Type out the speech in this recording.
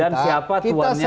dan siapa tuannya